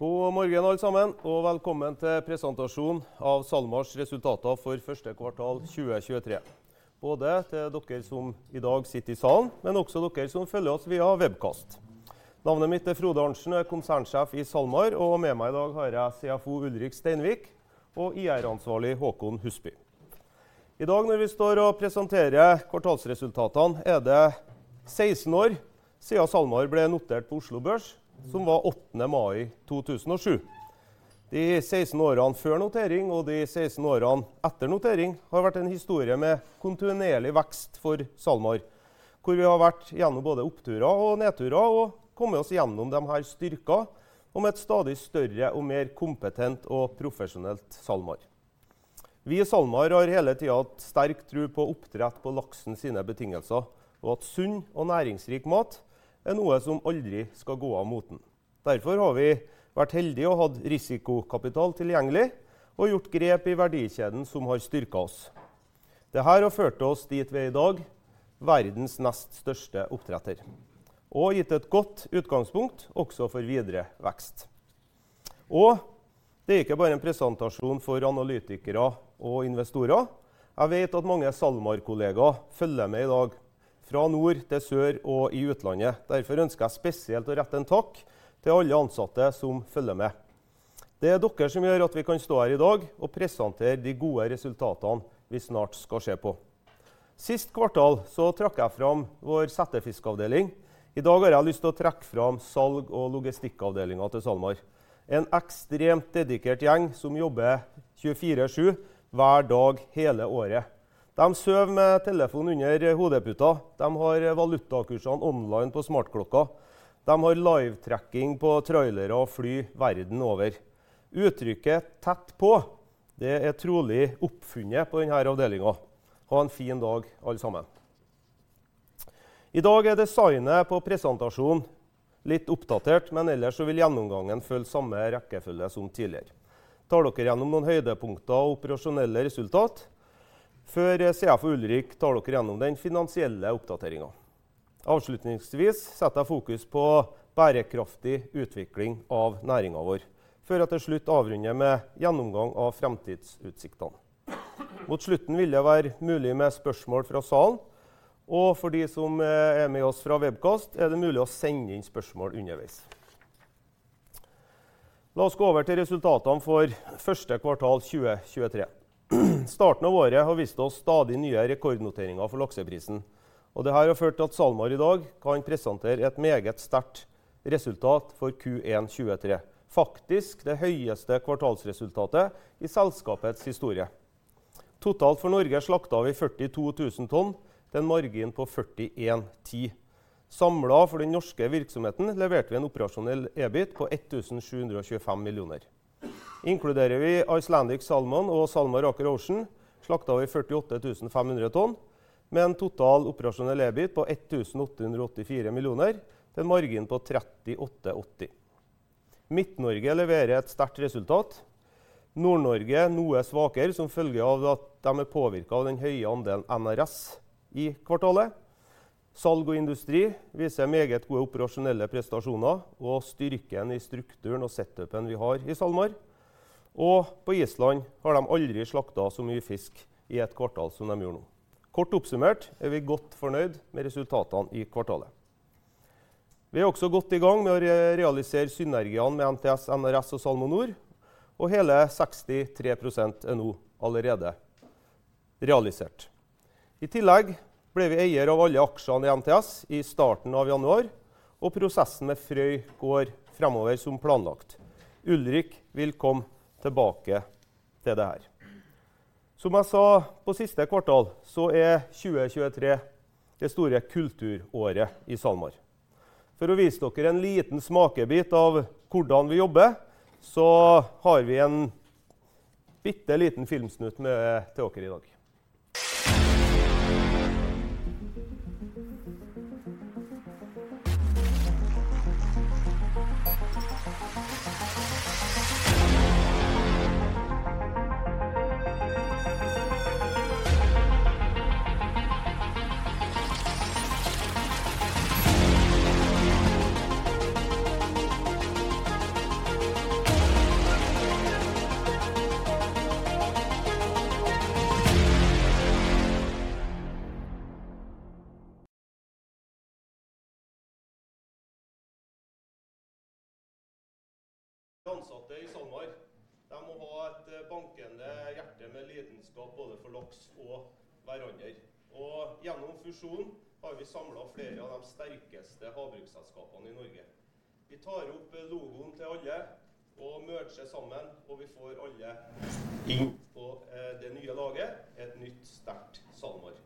God morgen alle sammen, velkommen til presentasjon av SalMar's resultater for first quarter 2023. Både til dere som i dag sitter i salen, også dere som følger oss via webcast. Navnet mitt er Frode Arntsen, Konsernsjef i SalMar. Med meg i dag har jeg CFO Ulrik Steinvik og IR Ansvarlig Håkon Husby. I dag når vi står og presenterer kvartalsresultatene, er det 16 years siden SalMar ble notert på Oslo Børs som var May 8, 2007. De 16 years før notering og de 16 years etter notering har vært en historie med kontinuerlig vekst for SalMar, hvor vi har vært gjennom både oppturer og nedturer og kommet oss gjennom dem har styrket og med et stadig større og mer kompetent og profesjonelt SalMar. Vi i SalMar har hele tiden hatt sterk tro på oppdrett på laksen sine betingelser, og at sunn og næringsrik mat er noe som aldri skal gå av moten. Derfor har vi vært heldige og hatt risikokapital tilgjengelig og gjort grep i verdikjeden som har styrket oss. Det her har ført oss dit vi er i dag, verdens nest største oppdretter. Gitt et godt utgangspunkt også for videre vekst. Det er ikke bare en presentasjon for analytikere og investorer. Jeg vet at mange SalMar kollegaer følger med i dag. Fra nord til sør og i utlandet. Derfor ønsker jeg spesielt å rette en takk til alle ansatte som følger med. Det er dere som gjør at vi kan stå her i dag og presentere de gode resultatene vi snart skal se på. Sist kvartal så trakk jeg fram vår settefiskavdeling. I dag har jeg lyst til å trekke fram salg og logistikkavdelingen til SalMar. En ekstremt dedikert gjeng som jobber 24/7 hver dag hele året. De sover med telefonen under hodeputen. De har valutakursene online på smartklokker. De har live tracking på trailere og fly verden over. Uttrykket tett på. Det er trolig oppfunnet på den her avdelingen. Ha en fin dag alle sammen. I dag er designet på presentasjonen litt oppdatert, men ellers så vil gjennomgangen følge samme rekkefølge som tidligere. Tar dere gjennom noen høydepunkter og operasjonelle resultat før CFO Ulrik Steinvik tar dere gjennom den finansielle oppdateringen. Avslutningsvis setter jeg fokus på bærekraftig utvikling av næringen vår, før jeg til slutt avrunder med gjennomgang av fremtidsutsiktene. Mot slutten vil det være mulig med spørsmål fra salen, og for de som er med oss fra webcast er det mulig å sende inn spørsmål underveis. La oss gå over til resultatene for first quarter 2023. Starten av året har vist oss stadig nye rekordnoteringer for lakseprisen. Det her har ført til at SalMar i dag kan presentere et meget sterkt resultat for Q1 2023. Faktisk det høyeste kvartalsresultatet i selskapets historie. Totalt for Norge slaktet vi 42,000 tons til en margin på 41.10%. Samlet for den norske virksomheten leverte vi en operasjonell EBIT på 1,725 million. Inkluderer vi Icelandic Salmon og SalMar Aker Ocean. Slaktet vi 40,500 tons med en total operasjonell EBIT på 1,884 million til en margin på 38.80%. Midt-Norge leverer et sterkt resultat. Nord-Norge noe svakere som følge av at de er påvirket av den høye andelen NRS i kvartalet. Salg og industri viser meget gode operasjonelle prestasjoner og styrken i strukturen og set up en vi har i SalMar og på Iceland har de aldri slaktet så mye fisk i et kvartal som de gjør nå. Kort oppsummert er vi godt fornøyd med resultatene i kvartalet. Vi er også godt i gang med å realisere synergiene med NTS, NRS og SalmoNor. Hele 63% er nå allerede realisert. I tillegg ble vi eier av alle aksjene i NTS i starten av januar, og prosessen med Frøy går fremover som planlagt. Ulrik vil komme tilbake til det her. Som jeg sa på siste kvartal så er 2023 det store kulturåret i SalMar. For å vise dere en liten smakebit av hvordan vi jobber så har vi en bitteliten filmsnutt med til dere i dag. Ansatte i SalMar. De må ha et bankende hjerte med lidenskap både for laks og hverandre. Gjennom fusjonen har vi samlet flere av de sterkeste havbruksselskapene i Norge. Vi tar opp logoen til alle og merger sammen. Vi får alle inn på det nye laget. Et nytt sterkt SalMar.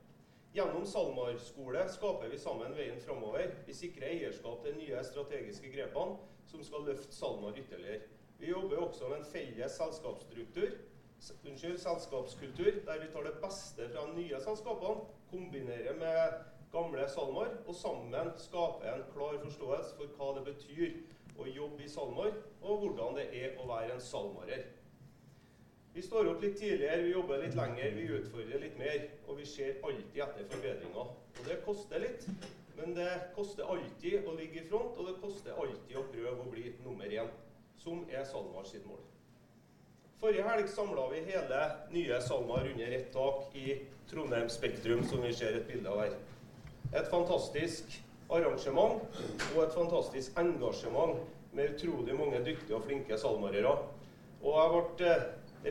Gjennom SalMar-skolen skaper vi sammen veien framover. Vi sikrer eierskap til nye strategiske grepene som skal løfte SalMar ytterligere. Vi jobber også med en felles selskapsstruktur. Unnskyld, selskaps kultur der vi tar det beste fra de nye selskapene, kombinerer med gamle SalMar og sammen skape en klar forståelse for hva det betyr å jobbe i SalMar og hvordan det er å være en SalMarer. Vi står opp litt tidligere, vi jobber litt lenger, vi utfordrer litt mer og vi ser alltid etter forbedringer. Det koster litt. Det koster alltid å ligge i front, og det koster alltid å prøve å bli number 1 som er SalMar sitt mål. Forrige helg samlet vi hele nye SalMar under ett tak i Trondheim Spektrum som vi ser et bilde av der. Et fantastisk arrangement og et fantastisk engasjement med utrolig mange dyktige og flinke SalMarere. Jeg ble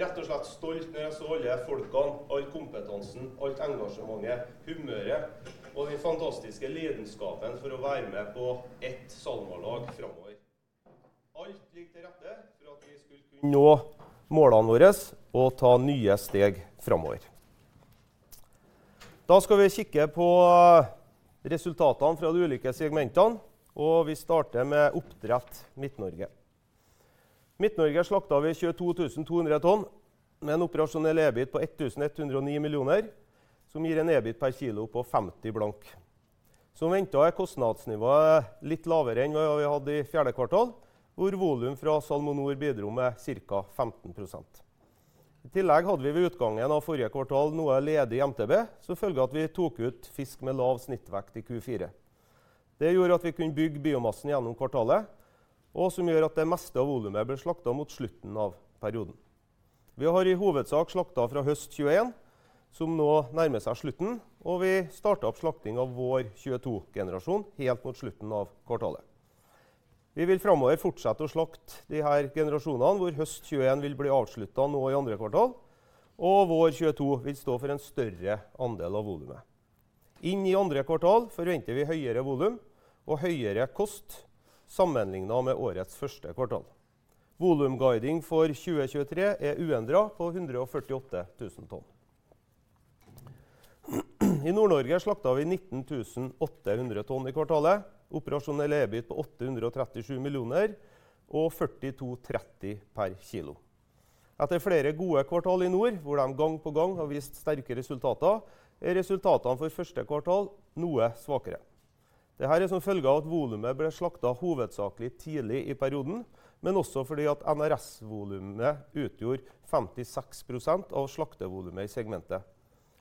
rett og slett stolt når jeg så alle folkene, all kompetansen, alt engasjementet, humøret og den fantastiske lidenskapen for å være med på ett SalMar lag framover. Alt ligger til rette for at vi skal kunne nå målene våres og ta nye steg framover. Skal vi kikke på resultatene fra de ulike segmentene, og vi starter med oppdrett Midt-Norge. Midt-Norge slaktet vi 22,200 tons med en operasjonell EBIT på 1,109 million, som gir en EBIT per kilo på 50 blank. Som ventet er kostnadsnivået litt lavere enn hva vi hadde i fjerde kvartal, hvor volum fra SalmoNor bidro med cirka 15%. I tillegg hadde vi ved utgangen av forrige kvartal noe ledig MTB som følge at vi tok ut fisk med lav snittvekt i Q4. Det gjorde at vi kunne bygge biomassen gjennom kvartalet og som gjør at det meste av volumet ble slaktet mot slutten av perioden. Vi har i hovedsak slaktet fra høst 21 som nå nærmer seg slutten, og vi startet opp slakting av vår 22 generasjon helt mot slutten av kvartalet. Vi vil framover fortsette å slakte de her generasjonene, hvor høst 21 vil bli avsluttet nå i andre kvartal og vår 22 vil stå for en større andel av volumet. Inn i andre kvartal forventer vi høyere volum og høyere kost sammenlignet med årets første kvartal. Volum guiding for 2023 er uendret på 148,000 tons. I Nord-Norge slaktet vi 19,800 tons i kvartalet. Operasjonell EBIT på 837 million og 42.30 per kilo. Etter flere gode kvartaler i nord, hvor de gang på gang har vist sterke resultater, er resultatene for first quarter noe svakere. Det her er som følge av at volumet ble slaktet hovedsakelig tidlig i perioden, men også fordi at NRS volumet utgjorde 56% av slaktevolumet i segmentet.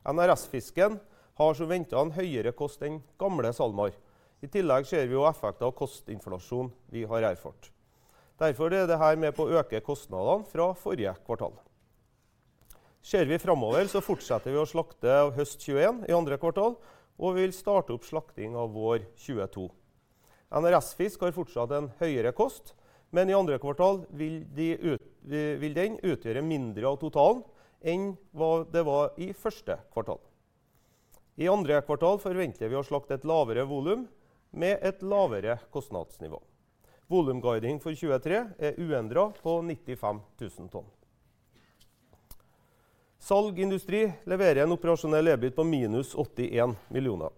NRS fisken har som ventet en høyere kost enn gamle SalMar. I tillegg ser vi jo effekten av kostinflasjon vi har erfart. Det her er med på å øke kostnadene fra forrige kvartal. Ser vi framover, fortsetter vi å slakte høst 2021 i second quarter og vil starte opp slakting av vår 2022. NRS fisk har fortsatt en høyere kost, men i andre kvartal vil den utgjøre mindre av totalen enn hva det var i første kvartal. I andre kvartal forventer vi å slakte et lavere volum med et lavere kostnadsnivå. Volum guiding for 2023 er uendret på 95,000 tonn. Salg Industri leverer en operasjonell EBIT på minus 81 million.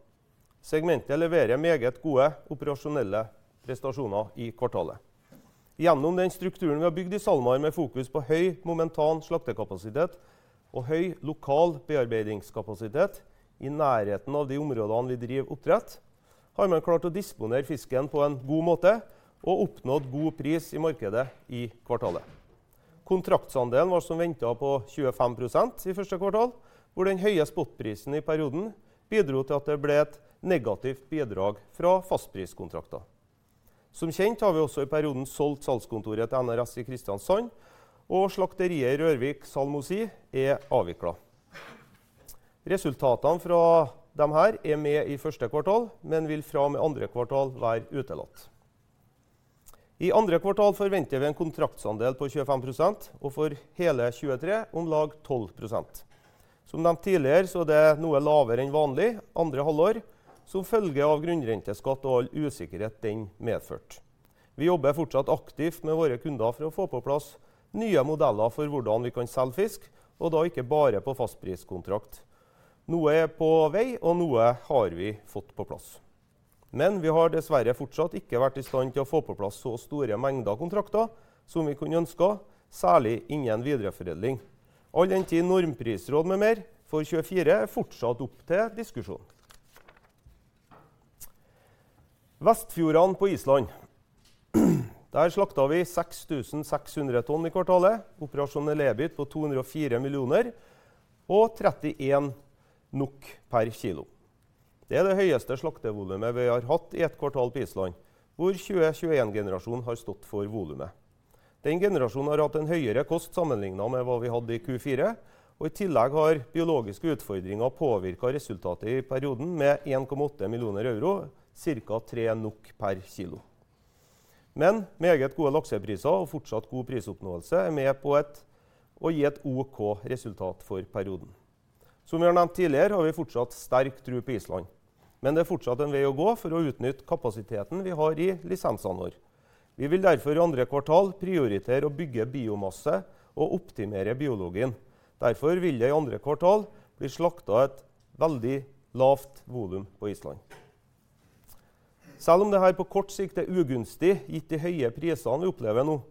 Segmentet leverer meget gode operasjonelle prestasjoner i kvartalet. Gjennom den strukturen vi har bygd i SalMar med fokus på høy momentan slaktekapasitet og høy lokal bearbeidingskapasitet i nærheten av de områdene vi driver oppdrett, har man klart å disponere fisken på en god måte og oppnådd god pris i markedet i kvartalet. Kontraktsandelen var som ventet på 25% i første kvartal, hvor den høye spotprisen i perioden bidro til at det ble et negativt bidrag fra fastpriskontrakter. Som kjent har vi også i perioden solgt salgskontoret til NRS i Kristiansand, og slakteriet i Rørvik SalmoSea er avviklet. Resultatene fra dem her er med i første kvartal, men vil fra og med andre kvartal være utelatt. I andre kvartal forventer vi en kontraktsandel på 25% og for hele 2023 om lag 12%. Som nevnt tidligere, det er noe lavere enn vanlig andre halvår som følge av grunnrenteskatt og all usikkerhet den medførte. Vi jobber fortsatt aktivt med våre kunder for å få på plass nye modeller for hvordan vi kan selge fisk, og da ikke bare på fastpriskontrakt. Noe er på vei og noe har vi fått på plass. Vi har dessverre fortsatt ikke vært i stand til å få på plass så store mengder kontrakter som vi kunne ønsket, særlig innen videreforedling. All den tid normprisråd med mer for 2024 er fortsatt oppe til diskusjon. Vestfjordene på Iceland. Der slaktet vi 6,600 tons i kvartalet. Operasjonell EBIT på 204 million og 31 NOK per kilo. Det er det høyeste slaktevolumet vi har hatt i et kvartal på Iceland, hvor 2021 generation har stått for volumet. Den generasjonen har hatt en høyere kost sammenlignet med hva vi hadde i Q4. I tillegg har biologiske utfordringer påvirket resultatet i perioden med 1.8 million euro, cirka 3 NOK per kilo. Meget gode laksepriser og fortsatt god prisoppnåelse er med på å gi et ok resultat for perioden. Som jeg har nevnt tidligere har vi fortsatt sterk tro på Iceland, men det er fortsatt en vei å gå for å utnytte kapasiteten vi har i lisensene vår. Vi vil i second quarter prioritere å bygge biomasse og optimize biologien. Det vil i second quarter bli slaktet et veldig lavt volum på Iceland. Selv om det her på kort sikt er ugunstig gitt de høye prisene vi opplever nå,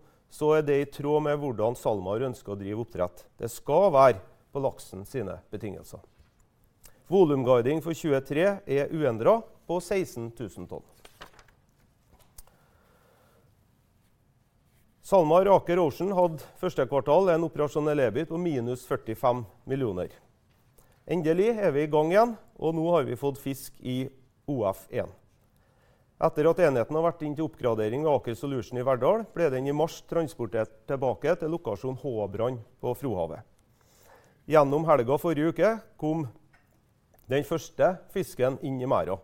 er det i tråd med hvordan SalMar ønsker å drive oppdrett. Det skal være på laksen sine betingelser. Volum guiding for 2023 er uendret på 16,000 tons. SalMar Aker Ocean hadde first quarter en operasjonell EBIT på minus 45 million. Endelig er vi i gang igjen nå har vi fått fisk i OF 1. Etter at enheten har vært inne til oppgradering ved Aker Solutions i Verdal, ble den i mars transportert tilbake til lokasjon Håbranden på Frøya. Gjennom helga forrige uke kom den første fisken inn i merdene.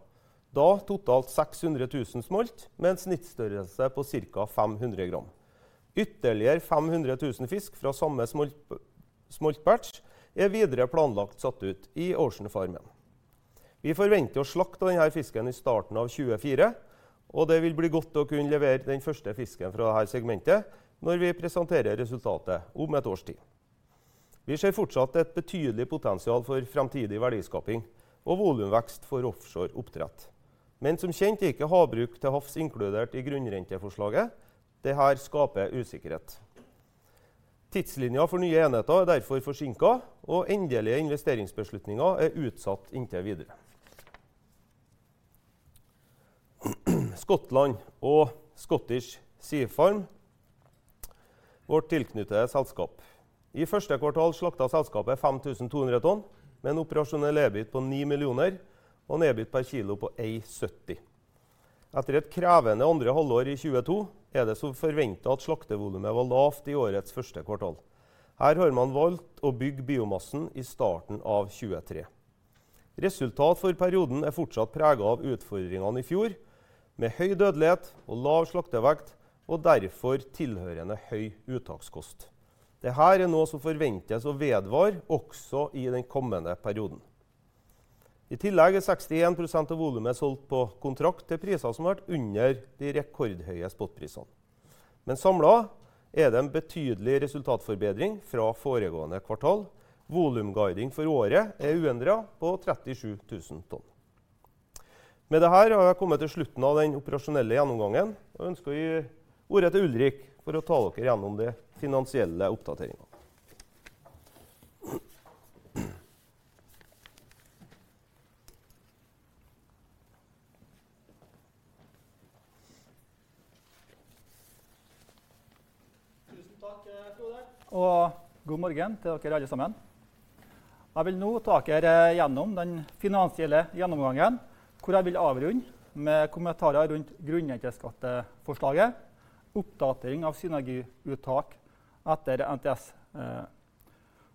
Da totalt 600,000 smolt med en snittstørrelse på cirka 500 grams. Ytterligere 500,000 fisk fra samme smolt, smoltbatch er videre planlagt satt ut i Ocean Farm. Vi forventer å slakte den her fisken i starten av 2024, og det vil bli godt å kunne levere den første fisken fra det her segmentet når vi presenterer resultatet om et års tid. Vi ser fortsatt et betydelig potensial for fremtidig verdiskaping og volumvekst for offshore oppdrett. Som kjent er ikke havbruk til havs inkludert i grunnrenteforslaget. Det her skaper usikkerhet. Tidslinjen for nye enheter er derfor forsinket, og endelige investeringsbeslutninger er utsatt inntil videre. Scotland og Scottish Sea Farms, vårt tilknyttede selskap. I første kvartal slaktet selskapet 5,200 tons med en operasjonell EBIT på 9 million og en EBIT per kilo på 1.70. Etter et krevende andre halvår i 2022 er det som forventet at slaktevolumet var lavt i årets første kvartal. Her har man valgt å bygge biomassen i starten av 2023. Resultat for perioden er fortsatt preget av utfordringene i fjor, med høy dødelighet og lav slaktevekt og derfor tilhørende høy uttakskost. Det her er noe som forventes å vedvare også i den kommende perioden. I tillegg er 61% av volumet solgt på kontrakt til priser som har vært under de rekordhøye spotprisene. Samlet er det en betydelig resultatforbedring fra foregående kvartal. Volum guiding for året er uendret på 37,000 tons. Med det her har jeg kommet til slutten av den operasjonelle gjennomgangen, og ønsker å gi ordet til Ulrik for å ta dere gjennom de finansielle oppdateringene. Tusen takk, Frode! Good morning til dere alle sammen. Jeg vil nå ta dere gjennom den finansielle gjennomgangen, hvor jeg vil avrunde med kommentarer rundt grunnrenteskatteforslaget. Oppdatering av synergiuttak etter NTS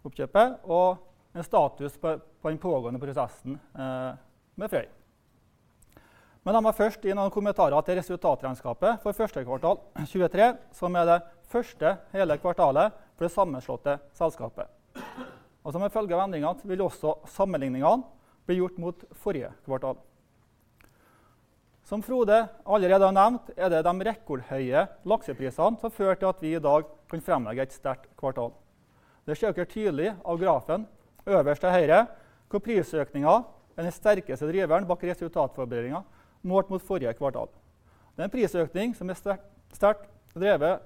oppkjøpet og en status på den pågående prosessen med Frøy. La meg først gi noen kommentarer til resultatregnskapet for first quarter 2023, som er det first whole quarter for det sammenslåtte selskapet. Som en følge av endringene vil også sammenligningene bli gjort mot forrige kvartal. Som Frode allerede har nevnt, er det de rekordhøye lakseprisene som fører til at vi i dag kan fremlegge et sterkt kvartal. Det ser dere tydelig av grafen øverst til høyre, hvor prisøkningen er den sterkeste driveren bak resultatforbedringen målt mot forrige kvartal. Det er en prisøkning som er sterkt drevet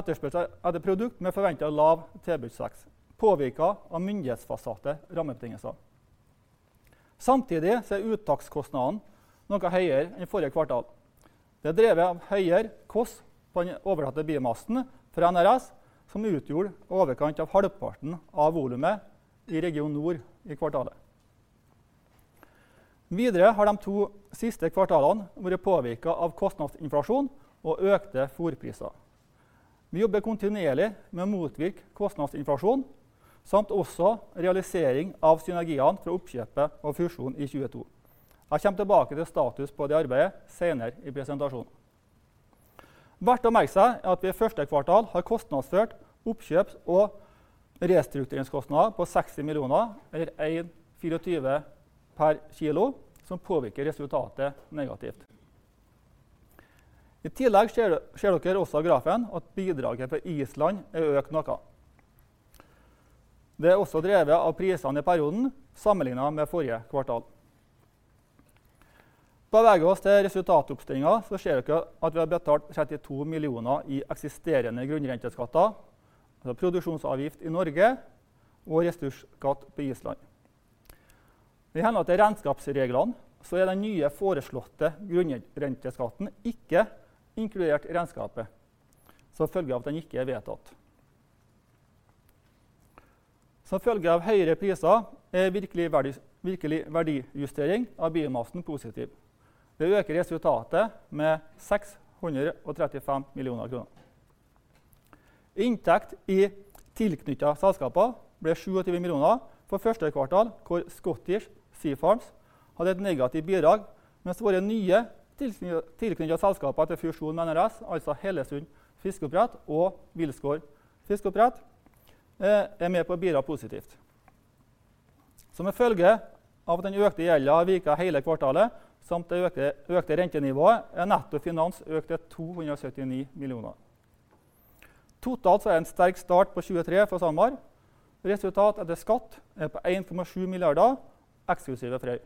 etterspørsel etter produkt med forventet lav tilbudseks påvirket av myndighetsfastsatte rammebetingelser. Samtidig så er uttakskostnaden noe høyere enn forrige kvartal. Det er drevet av høyere kost på den overlatte biomassen fra NRS, som utgjorde i overkant av halvparten av volumet i region nord i kvartalet. Videre har de 2 siste kvartalene vært påvirket av kostnadsinflasjon og økte fôrpriser. Vi jobber kontinuerlig med å motvirke kostnadsinflasjon, samt også realisering av synergiene fra oppkjøpet og fusjonen i 2022. Jeg kommer tilbake til status på det arbeidet senere i presentasjonen. Verdt å merke seg er at vi i 1st quarter har kostnadsført oppkjøps og restruktureringskostnader på 60 million eller 1.24 per kilo, som påvirker resultatet negativt. I tillegg ser dere også i grafen at bidraget fra Iceland er økt noe. Det er også drevet av prisene i perioden sammenlignet med forrige kvartal. Beveger vi oss til resultatoppstillingen så ser dere at vi har betalt 32 million i eksisterende grunnrenteskatt, altså produksjonsavgift i Norge og ressursskatt på Island. I henhold til regnskapsreglene så er den nye foreslåtte grunnrenteskatt ikke inkludert i regnskapet som følge av at den ikke er vedtatt. Som følge av høyere priser er virkelig verdi, virkelig verdijustering av biomassen positiv. Det øker resultatet med 635 million kroner. Inntekt i tilknyttede selskaper ble 27 million for første kvartal, hvor Scottish Sea Farms hadde et negativt bidrag, mens våre nye tilknyttede selskaper til fusjonen med NRS, altså Hellesund Fiskeoppdrett og Wilsgård Fiskeoppdrett, er med på å bidra positivt. Som en følge av at den økte gjelden viker hele kvartalet samt det økte rentenivået, er netto finans økte 279 million. Totalt er en sterk start på 2023 for SalMar. Resultat etter skatt er på NOK 1.7 billion eksklusiv Frøy.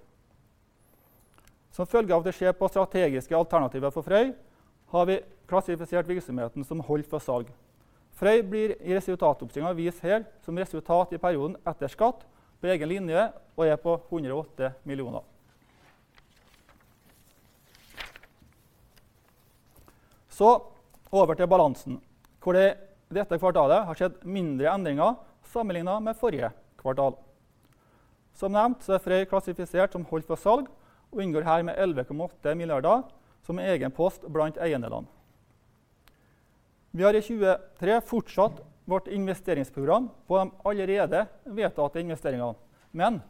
Som følge av at vi ser på strategiske alternativer for Frøy, har vi klassifisert virksomheten som holdt for salg. Frøy blir i resultatoppstillingen vist her som resultat i perioden etter skatt på egen linje og er på 108 million. Over til balansen, hvor det i dette kvartalet har skjedd mindre endringer sammenlignet med forrige kvartal. Som nevnt er Frøy klassifisert som holdt for salg og inngår her med 11.8 billion som en egen post blant eiendelene. Vi har i 2023 fortsatt vårt investeringsprogram på de allerede vedtatte investeringene, men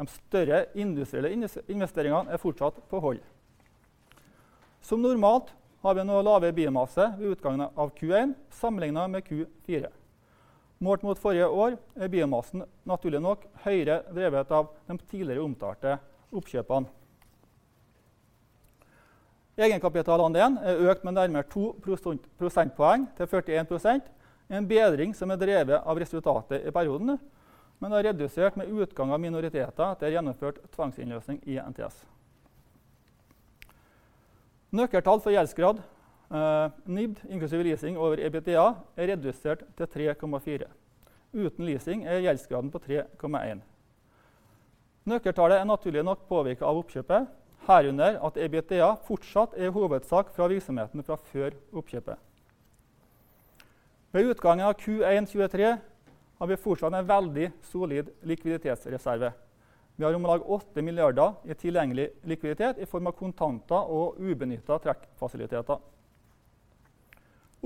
de større industrielle investeringene er fortsatt på hold. Som normalt har vi nå lavere biomasse ved utgangen av Q1 sammenlignet med Q4. Målt mot forrige år er biomassen naturlig nok høyere, drevet av de tidligere omtalte oppkjøpene. Egenkapitalandelen er økt med nærmere 2 percentage points til 41%, en bedring som er drevet av resultatet i perioden, men er redusert med utgang av minoriteter etter gjennomført tvangsinnløsning i NTS. Nøkkeltall for gjeldsgrad, NIBD inklusiv leasing over EBITDA er redusert til 3.4. Uten leasing er gjeldsgraden på 3.1. Nøkkeltallet er naturlig nok påvirket av oppkjøpet, herunder at EBITDA fortsatt er i hovedsak fra virksomheten fra før oppkjøpet. Ved utgangen av Q1 2023 har vi fortsatt en veldig solid likviditetsreserve. Vi har om lag 8 billion i tilgjengelig likviditet i form av kontanter og ubenyttede trekkfasiliteter.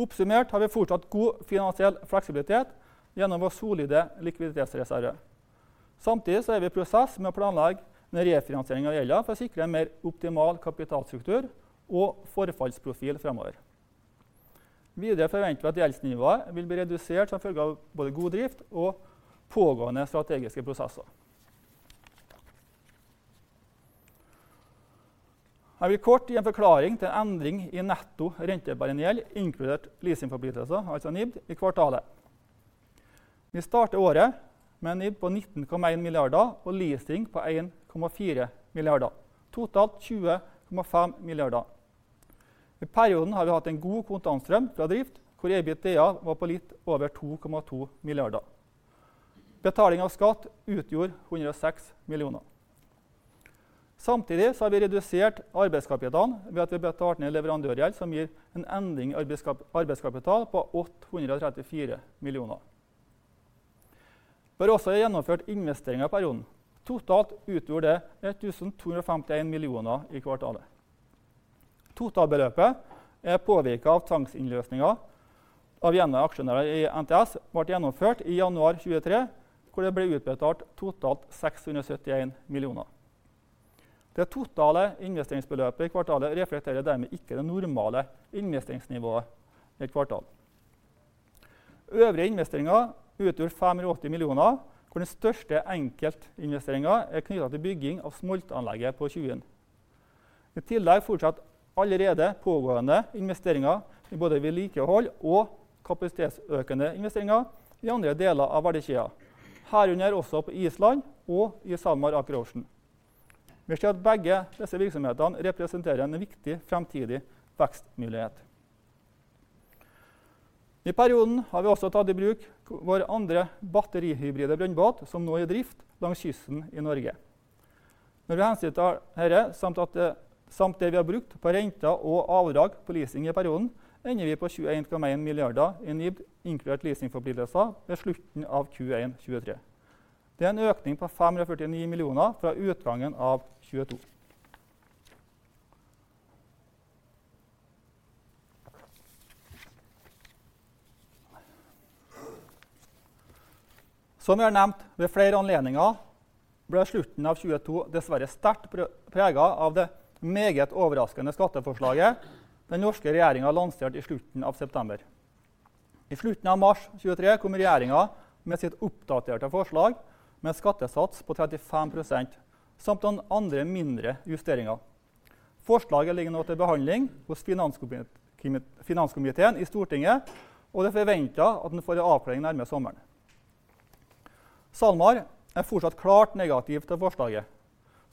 Oppsummert har vi fortsatt god finansiell fleksibilitet gjennom vår solide likviditetsreserve. Samtidig er vi i prosess med å planlegge en refinansiering av gjelden for å sikre en mer optimal kapitalstruktur og forfallsprofil fremover. Videre forventer vi at gjeldsnivået vil bli redusert som følge av både god drift og pågående strategiske prosesser. Her vi kort gi en forklaring til endring i netto rentebærende gjeld inkludert leasingforpliktelser, altså NIBD, i kvartalet. Vi starter året med en NIBD på 19.1 billion og leasing på 1.4 billion. Totalt 20.5 billion. I perioden har vi hatt en god kontantstrøm fra drift hvor EBITDA var på litt over 2.2 billion. Betaling av skatt utgjorde 106 million. Samtidig har vi redusert arbeidskapitalen ved at vi betalte ned leverandørgjeld, som gir en endring i arbeidskapital på 834 million. Vi har også gjennomført investeringer i perioden. Totalt utgjorde det 1,251 million i kvartalet. Totalbeløpet er påvirket av tvangsinnløsningen av gjenværende aksjonærer i NTS som ble gjennomført i januar 2023, hvor det ble utbetalt totalt 671 million. Det totale investeringsbeløpet i kvartalet reflekterer dermed ikke det normale investeringsnivået i et kvartal. Øvrige investeringer utgjorde NOK 580 million, hvor den største enkeltinvesteringen er knyttet til bygging av smoltanlegget på Tjuin. I tillegg fortsatt allerede pågående investeringer i både vedlikehold og kapasitetsøkende investeringer i andre deler av verdikjeden, herunder også på Island og i SalMar Aquaculture. Vi ser at begge disse virksomhetene representerer en viktig fremtidig vekstmulighet. I perioden har vi også tatt i bruk vår andre batterihybride brønnbåt som nå er i drift langs kysten i Norge. Når vi hensyntar dette, samt det vi har brukt på renter og avdrag på leasing i perioden, ender vi på 21.1 milliarder i NIBD inkludert leasingforpliktelser ved slutten av Q1 2023. Det er en økning på 549 millioner fra utgangen av 2022. Som jeg har nevnt ved flere anledninger ble slutten av 2022 dessverre sterkt preget av det meget overraskende skatteforslaget den norske regjeringen lanserte i slutten av september. I slutten av mars 2023 kom regjeringen med sitt oppdaterte forslag med en skattesats på 35% samt noen andre mindre justeringer. Forslaget ligger nå til behandling hos Finanskomiteen i Stortinget, det er forventet at den får en avklaring nærmere sommeren. SalMar er fortsatt klart negativ til forslaget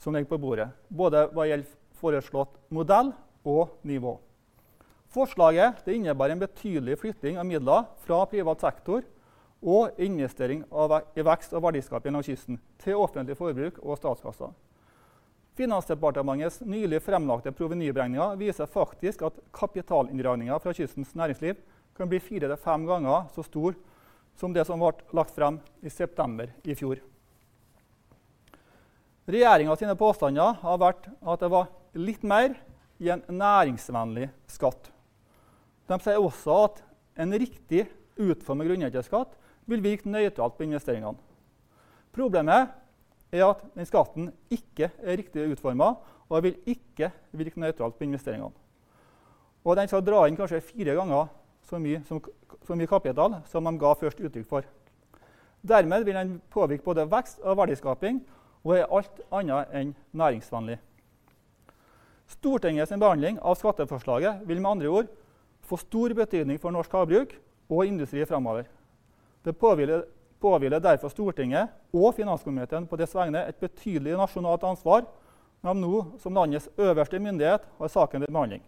som ligger på bordet, både hva gjelder foreslått modell og nivå. Forslaget det innebærer en betydelig flytting av midler fra privat sektor og investering av, i vekst og verdiskaping langs kysten til offentlig forbruk og statskassen. Finansdepartementets nylig fremlagte provenyberegninger viser faktisk at kapitalinndragningen fra kystens næringsliv kan bli 4-5 ganger så stor som det som ble lagt frem i september i fjor. Regjeringen sine påstander har vært at det var litt mer i en næringsvennlig skatt. De sier også at en riktig utformet grunnrenteskatt vil virke nøytralt på investeringene. Problemet er at den skatten ikke er riktig utformet, og den vil ikke virke nøytralt på investeringene, og den skal dra inn kanskje 4 ganger så mye som, så mye kapital som de ga først uttrykk for. Dermed vil den påvirke både vekst og verdiskaping og er alt annet enn næringsvennlig. Stortinget sin behandling av skatteforslaget vil med andre ord få stor betydning for norsk havbruk og industri framover. Det påhviler derfor Stortinget og Finanskomiteen på dets vegne et betydelig nasjonalt ansvar når nå som landets øverste myndighet har saken til behandling.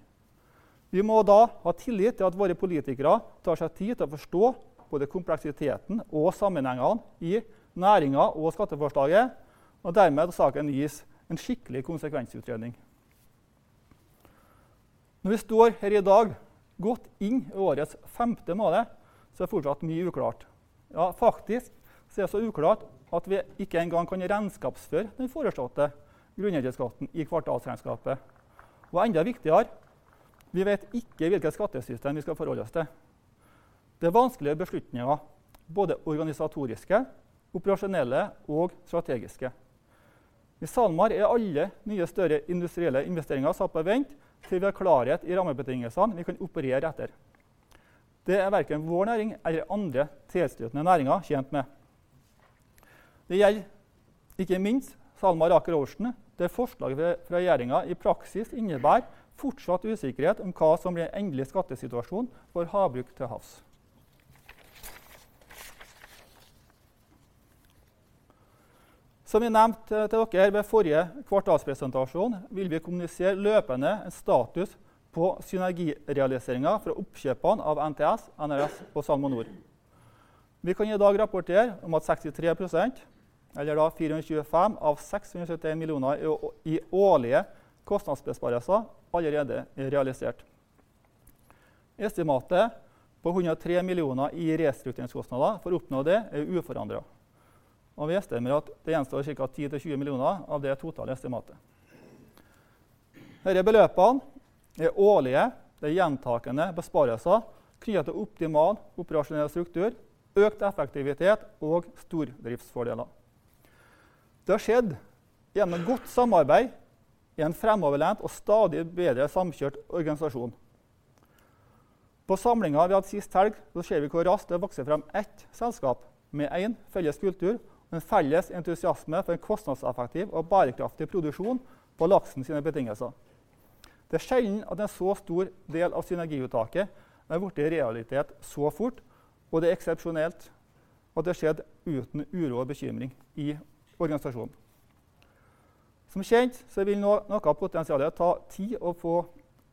Vi må da ha tillit til at våre politikere tar seg tid til å forstå både kompleksiteten og sammenhengene i næringen og skatteforslaget, og dermed at saken gis en skikkelig konsekvensutredning. Når vi står her i dag, godt inn i årets femte måned, så er fortsatt mye uklart. Ja, faktisk så er det så uklart at vi ikke engang kan regnskapsføre den foreslåtte grunneierbeskatningen i kvartalsregnskapet. Enda viktigere vi vet ikke hvilket skattesystem vi skal forholde oss til. Det er vanskelige beslutninger, både organisatoriske, operasjonelle og strategiske. I SalMar er alle mye større industrielle investeringer satt på vent til vi har klarhet i rammebetingelsene vi kan operere etter. Det er verken vår næring eller andre tilstøtende næringer tjent med. Det gjelder ikke minst SalMar Aker Ocean, der forslaget fra regjeringen i praksis innebærer fortsatt usikkerhet om hva som blir endelig skattesituasjon for havbruk til havs. Som jeg nevnte til dere ved forrige kvartalspresentasjon, vil vi kommunisere løpende status på synergi realiseringen fra oppkjøpene av NTS, NRS og SalmoNor. Vi kan i dag rapportere om at 63% eller da 425 of 671 million i årlige kostnadsbesparelser allerede er realisert. Estimate på 103 million i restruktureringskostnader for å oppnå det er uforandret, og vi estimerer at det gjenstår cirka 10 million-20 million av det totale estimatet. Disse beløpene er årlige. Det er gjentakende besparelser knyttet til optimal operasjonell struktur, økt effektivitet og stordriftsfordeler. Det har skjedd gjennom godt samarbeid i en fremoverlent og stadig bedre samkjørt organisasjon. På samlingen vi hadde sist helg, ser vi hvor raskt det har vokst frem ett selskap med en felles kultur og en felles entusiasme for en kostnadseffektiv og bærekraftig produksjon på laksen sine betingelser. Det er sjelden at en så stor del av synergiuttaket har blitt til realitet så fort, og det er eksepsjonelt at det har skjedd uten uro og bekymring i organisasjonen. Som kjent vil nå noe av potensialet ta tid å få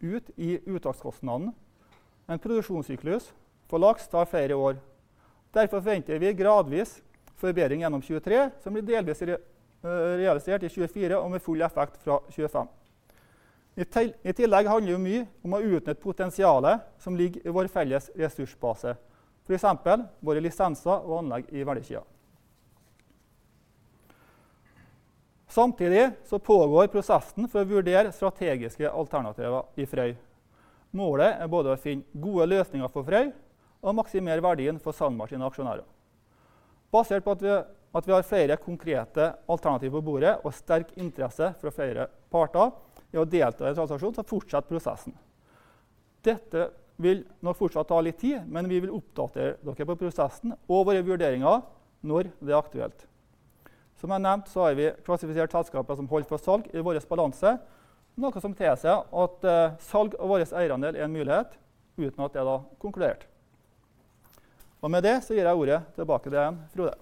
ut i uttakskostnadene. En produksjonssyklus på laks tar flere år. Derfor forventer vi gradvis forbedring gjennom 2023, som blir delvis realisert i 2024 og med full effekt fra 2025. I tillegg handler jo mye om å utnytte potensialet som ligger i vår felles ressursbase, for eksempel våre lisenser og anlegg i verdikjeden. Samtidig pågår prosessen for å vurdere strategiske alternativer i Frøy. Målet er både å finne gode løsninger for Frøy og å maksimere verdien for SalMar sine aksjonærer. Basert på at vi har flere konkrete alternativer på bordet og sterk interesse fra flere parter i å delta i transaksjonen, så fortsetter prosessen. Dette vil nå fortsatt ta litt tid, men vi vil oppdatere dere på prosessen og våre vurderinger når det er aktuelt. Som jeg nevnte så har vi klassifisert selskaper som holdt for salg i vår balanse, noe som tilsier at salg av våre eierandeler er en mulighet uten at det da konkludert. Med det så gir jeg ordet tilbake til Frode.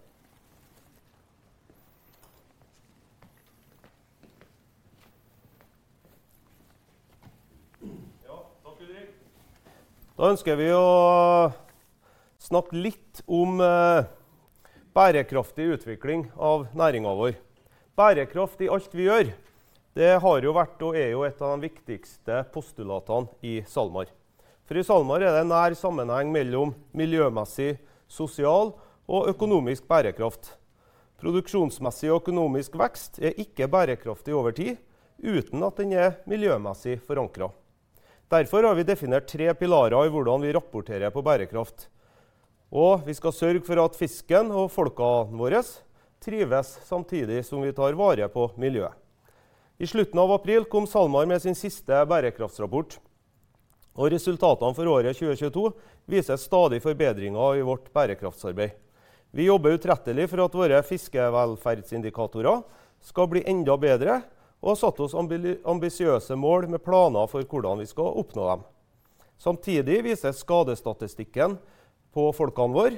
Takk Ulrik. Da ønsker vi å snakke litt om bærekraftig utvikling av næringen vår. Bærekraft i alt vi gjør. Det har jo vært og er jo et av de viktigste postulatorene i SalMar. I SalMar er det nær sammenheng mellom miljømessig, sosial og økonomisk bærekraft. Produksjonsmessig og økonomisk vekst er ikke bærekraftig over tid uten at den er miljømessig forankret. Derfor har vi definert tre pilarer i hvordan vi rapporterer på bærekraft, og vi skal sørge for at fisken og folkene våres trives samtidig som vi tar vare på miljøet. I slutten av april kom SalMar med sin siste bærekraftsrapport, og resultatene for året 2022 viser stadige forbedringer i vårt bærekraftsarbeid. Vi jobber utrettelig for at våre fiskevelferdsindikatorer skal bli enda bedre, og har satt oss ambisiøse mål med planer for hvordan vi skal oppnå dem. Samtidig viser skadestatistikken på folkene våre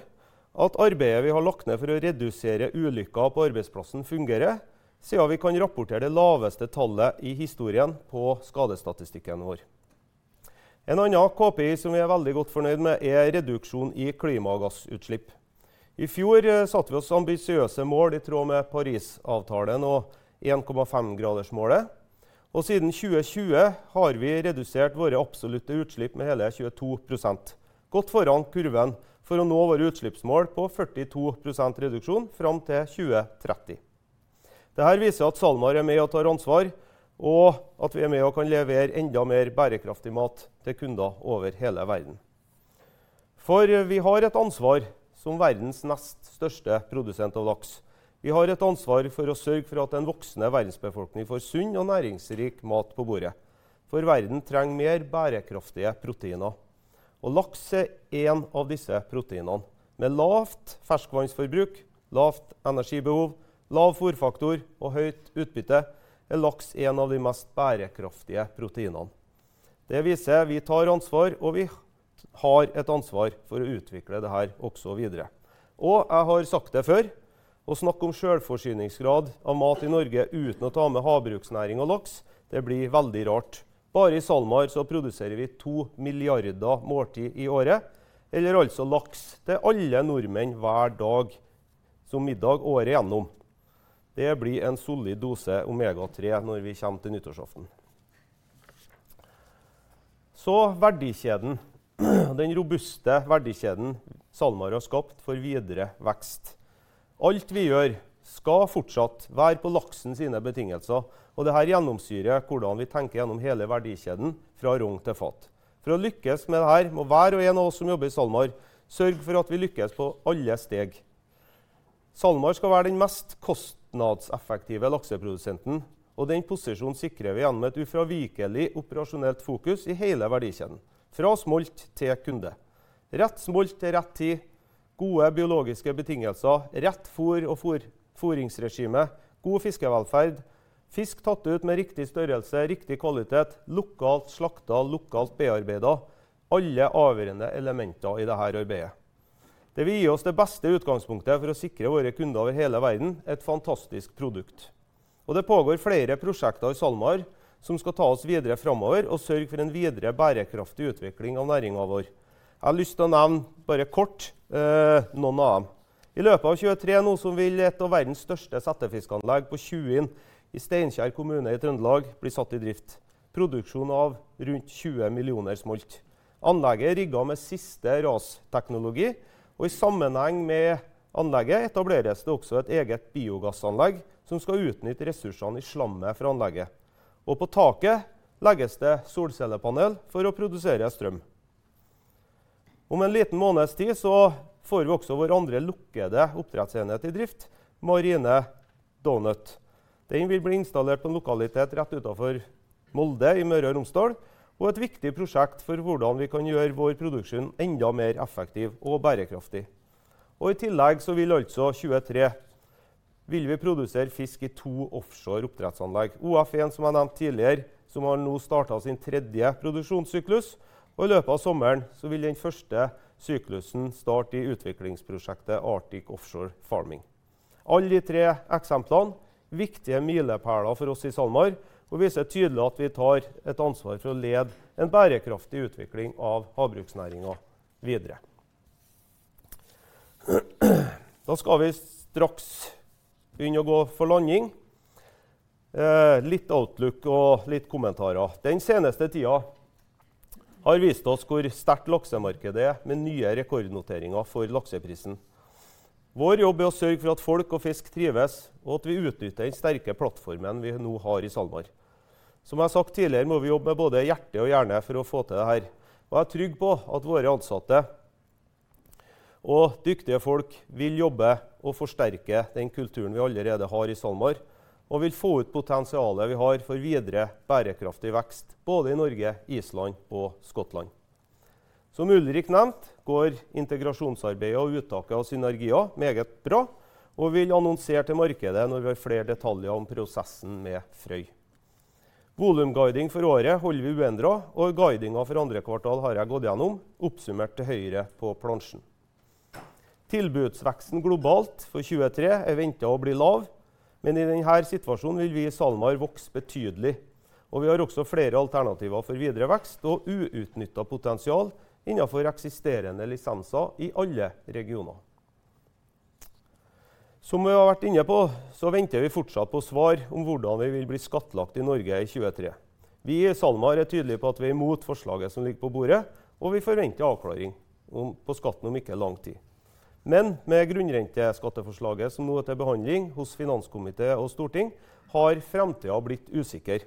at arbeidet vi har lagt ned for å redusere ulykker på arbeidsplassen fungerer. Siden vi kan rapportere det laveste tallet i historien på skadestatistikken vår. En annen KPI som vi er veldig godt fornøyd med er reduksjon i klimagassutslipp. I fjor satte vi oss ambisiøse mål i tråd med Parisavtalen og 1.5 degrees målet. Siden 2020 har vi redusert våre absolutte utslipp med hele 22%. Godt foran kurven for å nå våre utslippsmål på 42% reduksjon frem til 2030. Det her viser at SalMar er med og tar ansvar og at vi er med og kan levere enda mer bærekraftig mat til kunder over hele verden. Vi har et ansvar som verdens nest største produsent av laks. Vi har et ansvar for å sørge for at en voksende verdensbefolkning får sunn og næringsrik mat på bordet. Verden trenger mer bærekraftige proteiner, og laks er en av disse proteinene. Med lavt ferskvannforbruk, lavt energibehov, lav fôrfaktor og høyt utbytte er laks en av de mest bærekraftige proteinene. Det viser vi tar ansvar, og vi har et ansvar for å utvikle det her også videre. Jeg har sagt det før å snakke om selvforsyningsgrad av mat i Norge uten å ta med havbruksnæring og laks, det blir veldig rart. Bare i SalMar så produserer vi 2 milliarder måltid i året, eller altså laks til alle nordmenn hver dag som i dag året gjennom. Det blir en solid dose Omega-3 når vi kommer til nyttårsaften. Verdikjeden, den robuste verdikjeden SalMar har skapt for videre vekst. Alt vi gjør skal fortsatt være på laksen sine betingelser. Det her gjennomsyrer hvordan vi tenker gjennom hele verdikjeden fra rogn til fat. For å lykkes med det her må hver og en av oss som jobber i SalMar sørge for at vi lykkes på alle steg. SalMar skal være den mest kostnadseffektive lakseprodusenten. Den posisjonen sikrer vi gjennom et ufravikelig operasjonelt fokus i hele verdikjeden fra smolt til kunde. Rett smolt til rett tid. Gode biologiske betingelser, rett fôr og foringsregime, god fiskevelferd. Fisk tatt ut med riktig størrelse, riktig kvalitet. Lokalt slaktet, lokalt bearbeidet. Alle avgjørende elementer i det her arbeidet. Det vil gi oss det beste utgangspunktet for å sikre våre kunder over hele verden et fantastisk produkt. Det pågår flere prosjekter i SalMar som skal ta oss videre fremover og sørge for en videre bærekraftig utvikling av næringen vår. Jeg har lyst til å nevne bare kort, noen av dem. I løpet av 2023 nå som vil et av verdens største settefiskanlegg på Tjuin i Steinkjer kommune i Trøndelag bli satt i drift. Produksjon av rundt 20 million smolt. Anlegget er rigget med siste RAS technology, og i sammenheng med anlegget etableres det også et eget biogassanlegg som skal utnytte ressursene i slammet fra anlegget. På taket legges det solcellepanel for å produsere strøm. Om en liten måneds tid så får vi også vår andre lukkede oppdrettsenhet i drift Marine Donut. Den vil bli installert på en lokalitet rett utenfor Molde i Møre og Romsdal, og et viktig prosjekt for hvordan vi kan gjøre vår produksjon enda mer effektiv og bærekraftig. I tillegg så vil altså 2023 vil vi produsere fisk i two offshore oppdrettsanlegg, Ocean Farm som jeg nevnte tidligere, som har nå startet sin third produksjonssyklus, og i løpet av sommeren så vil den first syklusen starte i utviklingsprosjektet Arctic Offshore Farming. Alle de three eksemplene viktige milepæler for oss i SalMar, viser tydelig at vi tar et ansvar for å lede en bærekraftig utvikling av havbruksnæringen videre. Skal vi straks begynne å gå for landing. Litt outlook og litt kommentarer. Den seneste tiden har vist oss hvor sterkt laksemarkedet er med nye rekordnoteringer for lakseprisen. Vår jobb er å sørge for at folk og fisk trives og at vi utnytter den sterke plattformen vi nå har i SalMar. Som jeg har sagt tidligere må vi jobbe med både hjerte og hjerne for å få til det her. Jeg er trygg på at våre ansatte og dyktige folk vil jobbe og forsterke den kulturen vi allerede har i SalMar, og vil få ut potensialet vi har for videre bærekraftig vekst både i Norge, Iceland og Scotland. Som Ulrik nevnte går integrasjonsarbeidet og uttaket av synergier meget bra, og vi vil annonsere til markedet når vi har flere detaljer om prosessen med Frøy. Volum guiding for året holder vi uendret, og guidingen for 2Q har jeg gått gjennom oppsummert til høyre på plansjen. Tilbudsveksten globalt for 2023 er ventet å bli lav, men i den her situasjonen vil vi i SalMar vokse betydelig. Vi har også flere alternativer for videre vekst og uutnyttet potensial innenfor eksisterende lisenser i alle regioner. Som vi har vært inne på så venter vi fortsatt på svar om hvordan vi vil bli skattlagt i Norge i 2023. Vi i SalMar er tydelig på at vi er imot forslaget som ligger på bordet, og vi forventer avklaring om på skatten om ikke lang tid. Med grunnrente skatteforslaget som nå er til behandling hos Finanskomiteen og Stortinget, har framtiden blitt usikker.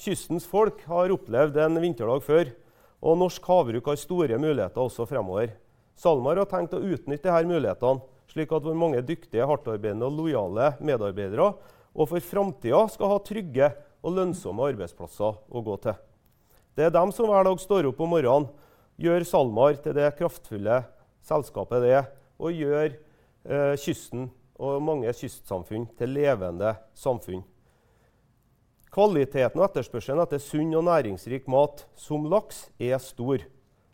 Kystens folk har opplevd en vinterdag før. Norsk havbruk har store muligheter også fremover. SalMar har tenkt å utnytte de her mulighetene slik at våre mange dyktige, hardtarbeidende og lojale medarbeidere også i framtiden skal ha trygge og lønnsomme arbeidsplasser å gå til. Det er dem som hver dag står opp om morgenen, gjør SalMar til det kraftfulle selskapet det er, og gjør kysten og mange kystsamfunn til levende samfunn. Kvaliteten og etterspørselen etter sunn og næringsrik mat som laks er stor.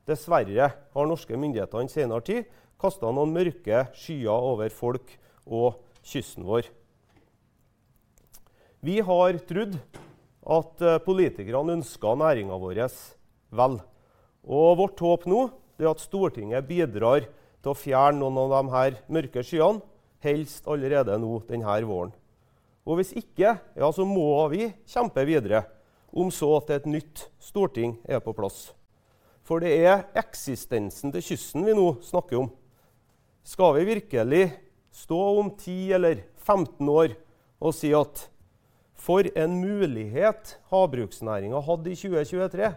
Dessverre har norske myndigheter i senere tid kastet noen mørke skyer over folk og kysten vår. Vi har trodd at politikerne ønsker næringen vår vel, vårt håp nå det er at Stortinget bidrar til å fjerne noen av de her mørke skyene, helst allerede nå denne våren. Hvis ikke, ja, så må vi kjempe videre, om så til et nytt Stortinget er på plass. For det er eksistensen til kysten vi nå snakker om. Skal vi virkelig stå om 10 eller 15 år og si at for en mulighet havbruksnæringen hadde i 2023,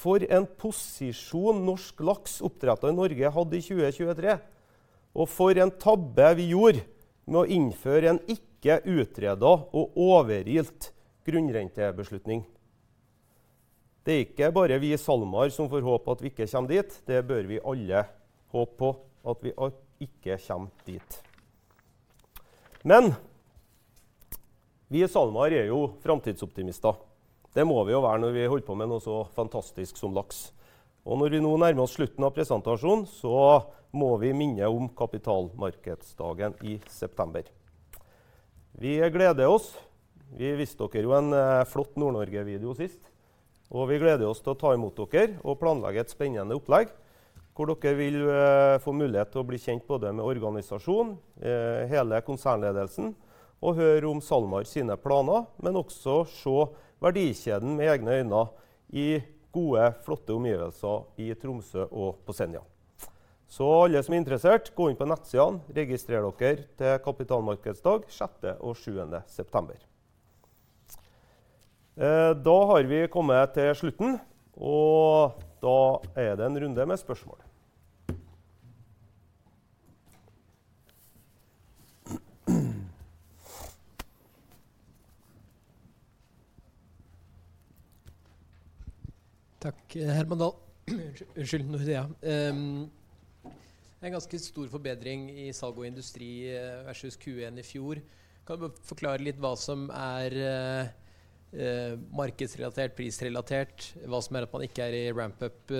for en posisjon norsk laks oppdrettet i Norge hadde i 2023, og for en tabbe vi gjorde med å innføre en ikke utredet og overilt grunnrentesbeslutning. Det er ikke bare vi i SalMar som får håpe at vi ikke kommer dit. Det bør vi alle håpe på at vi ikke kommer dit. Vi i SalMar er jo framtidsoptimister. Det må vi jo være når vi holder på med noe så fantastisk som laks. Når vi nå nærmer oss slutten av presentasjonen, så må vi minne om kapitalmarkedsdagen i september. Vi gleder oss. Vi viste dere jo en flott Nord-Norge video sist, og vi gleder oss til å ta i mot dere og planlegge et spennende opplegg hvor dere vil få mulighet til å bli kjent både med organisasjon, hele konsernledelsen og høre om SalMar sine planer, men også se verdikjeden med egne øyne i gode, flotte omgivelser i Tromsø og på Senja. Alle som er interessert gå inn på nettsiden og registrer dere til kapitalmarkedsdag sjette og sjuende september. Da har vi kommet til slutten. Da er det en runde med spørsmål. Takk Herman Dahl. Unnskyld Nordea. Det er ganske stor forbedring i salg og industri versus Q1 i fjor. Kan du forklare litt hva som er markedsrelatert prisrelatert? Hva som er at man ikke er i ramp up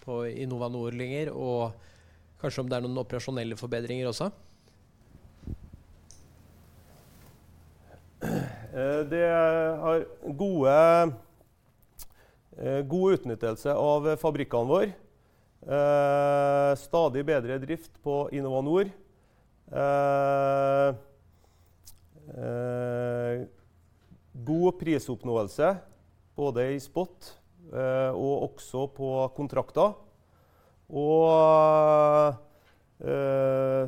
på InnovaNor lenger, og kanskje om det er noen operasjonelle forbedringer også. Det har gode, god utnyttelse av fabrikkene vår. Stadig bedre drift på InnovaNor. God prisoppnåelse både i spot, og også på kontrakter.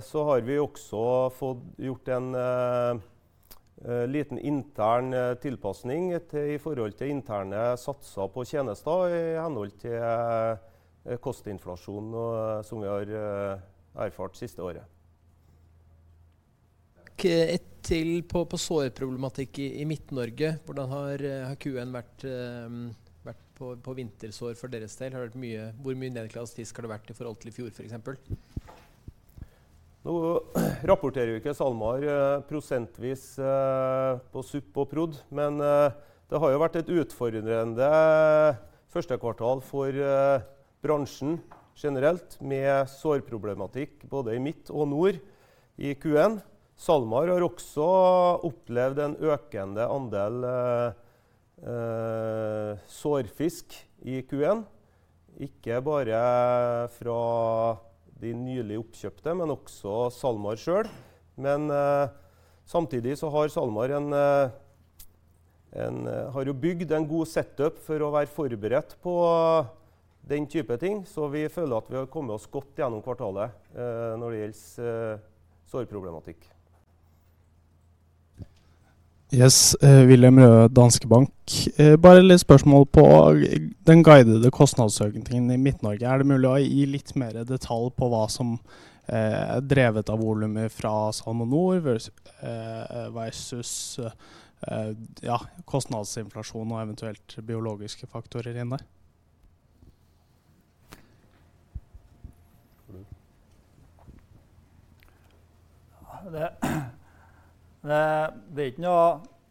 Så har vi også fått gjort en, liten intern tilpasning til i forhold til interne satser på tjenester i henhold til kostnadsinflasjonen og som vi har erfart siste året. Takk. Et til på sårproblematikk i Midt-Norge. Hvordan har Q1 vært på vintersår for deres del har vært mye. Hvor mye nedklassifisert har det vært i forhold til i fjor, for eksempel? Nå rapporterer jo ikke SalMar prosentvis på supp og prod. Det har jo vært et utfordrende first quarter for bransjen generelt, med sårproblematikk både i midt og nord i Q1. SalMar har også opplevd en økende andel sårfisk i Q1. Ikke bare fra de nylig oppkjøpte, men også SalMar selv. Samtidig har SalMar en har jo bygd en god setup for å være forberedt på den type ting. Vi føler at vi har kommet oss godt gjennom kvartalet, når det gjelder sårproblematikk. Yes. William Røe, Danske Bank. Bare et lite spørsmål på den guidede kostnadsøkningen i Midt-Norge. Er det mulig å gi litt mer detalj på hva som er drevet av volumer fra SalmoNor, versus, ja kostnadsinflasjon og eventuelt biologiske faktorer inn der? Det er ikke noe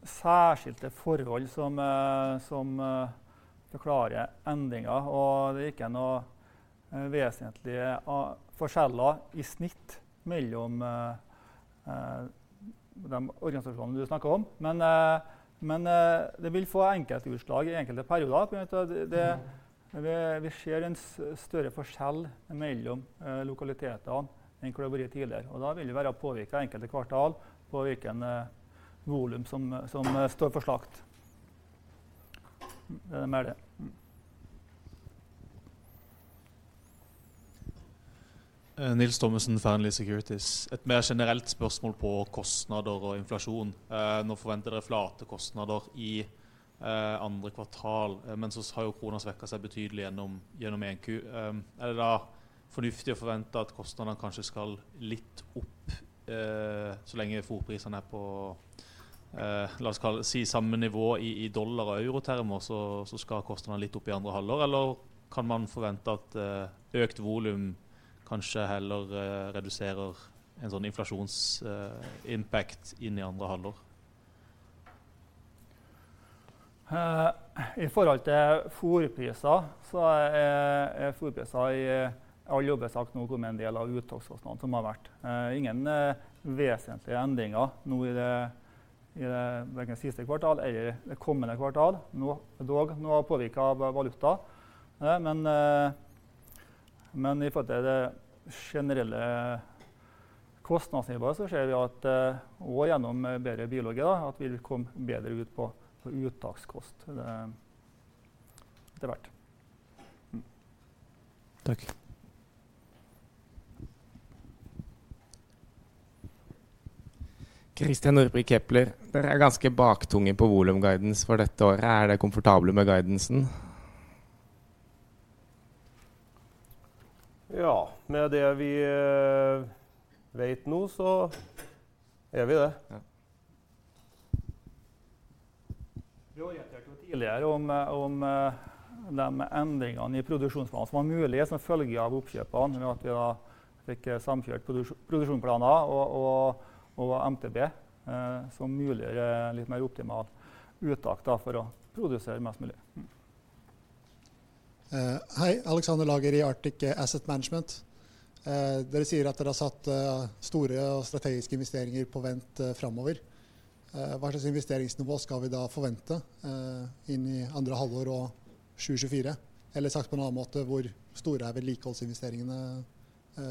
særskilte forhold som forklarer endringen, og det er ikke noe vesentlige forskjeller i snitt mellom de organisasjonene du snakker om. Det vil få enkeltutslag i enkelte perioder på grunn av det vi ser en større forskjell mellom lokalitetene enn hva det har vært tidligere, og da vil det være å påvirke enkelte kvartal på hvilken volum som står for slakt. Det er mer det. Nils Thommesen, Fearnley Securities. Et mer generelt spørsmål på kostnader og inflasjon. Nå forventer dere flate kostnader i andre kvartal. Har jo krona svekket seg betydelig gjennom 1Q. Er det da fornuftig å forvente at kostnadene kanskje skal litt opp, så lenge fôrprisene er på la oss si samme nivå i dollar og euro termer, så skal kostnadene litt opp i andre halvår? Kan man forvente at økt volum kanskje heller reduserer en sånn inflasjons impact inn i andre halvår? I forhold til fôrpriser så er fôrpriser i all jordbruksakt nå en del av uttakskostnaden som har vært. Ingen vesentlige endringer nå i det verken siste kvartal eller kommende kvartal. Noe dog noe påvirket av valuta. I forhold til det generelle kostnadsnivået så ser vi at også gjennom bedre biologi da at vi vil komme bedre ut på uttakskost etter hvert. Takk. Christian Nordby, Kepler. Dere er ganske baktunge på volumguidance for dette året. Er dere komfortable med guidancen? Med det vi vet nå så er vi det. Prioriterte jo tidligere om dem endringene i produksjonsplan som var mulig som følge av oppkjøpene ved at vi har fikk samkjørt produksjonsplaner og MTB som muliggjør litt mer optimalt uttak da for å produsere mest mulig. Hei! Alexander Lager i Arctic Asset Management. Dere sier at dere har satt store og strategiske investeringer på vent fremover. Hva slags investeringsnivå skal vi da forvente inn i second half og 2024? Eller sagt på en annen måte hvor store er vedlikeholdsinvesteringene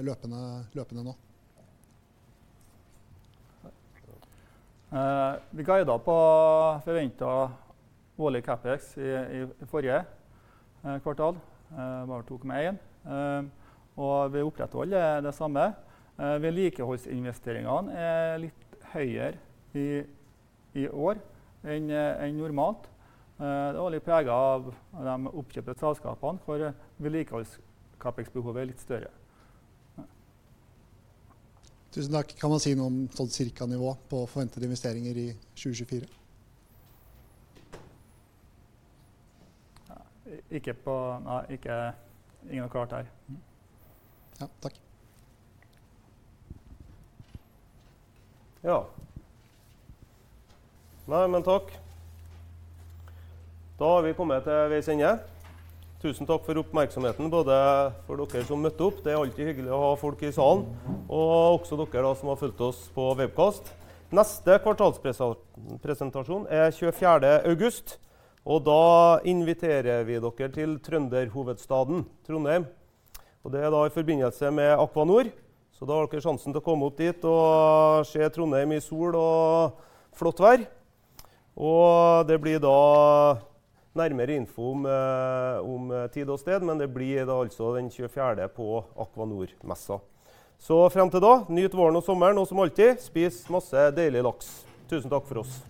løpende nå? vi guidet på forventet årlig capex i forrige kvartal. Det var NOK 2.1, og vi opprettholder det samme. Vedlikeholdsinvesteringene er litt høyere i år enn normalt. Og litt preget av de oppkjøpte selskapene for vedlikeholdscapex behovet er litt større. Tusen takk! Kan man si noe om sånn cirka nivå på forventede investeringer i 2024? Ja, ikke på, nei ikke, ingen kommentar her. Ja, takk. Nei men takk. Da har vi kommet til veis ende. Tusen takk for oppmerksomheten, både for dere som møtte opp. Det er alltid hyggelig å ha folk i salen og også dere da som har fulgt oss på webkast. Neste kvartalspresentasjon er 24. august, og da inviterer vi dere til trønderhovedstaden Trondheim. Det er da i forbindelse med Aquanor. Da har dere sjansen til å komme opp dit og se Trondheim i sol og flott vær, og det blir da nærmere info om tid og sted. Men det blir da altså den 24. på Aquanor-messa. Frem til da, nyt våren og sommeren og som alltid spis masse deilig laks. Tusen takk for oss!